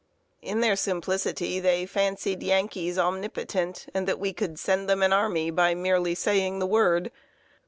In their simplicity, they fancied Yankees omnipotent, and that we could send them an army by merely saying the word.